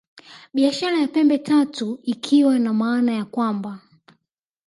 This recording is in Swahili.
Biashara ya Pembe Tatu ikiwa na maana ya kwamba